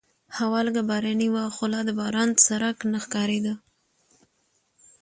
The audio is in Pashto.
هوا لږه باراني وه خو لا د باران څرک نه ښکارېده.